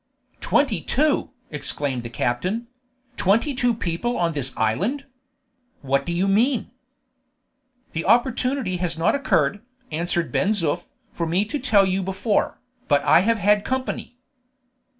"Twenty two!" exclaimed the captain; "twenty two people on this island? What do you mean?" "The opportunity has not occurred," answered Ben Zoof, "for me to tell you before, but I have had company."